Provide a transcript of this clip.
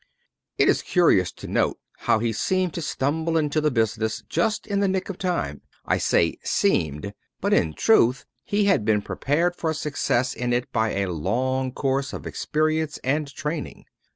It is curious to note how he seemed to stumble into the business just in the nick of time. I say, seemed; but, in truth, he had been prepared for success in it by a long course of experience and training.